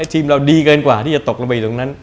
ทีมเราดีเกินกว่าที่จะตกลงไปตรงนั้น